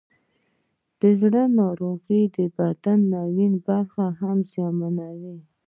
د زړه ناروغۍ د بدن نورې برخې هم زیانمنوي.